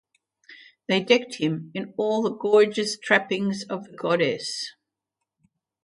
They decked him in all the gorgeous trappings of the goddess.